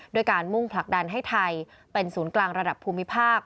ด้วยการมุ่งผลักดันให้ไทยเป็นศูนย์กลางระดับภูมิภาค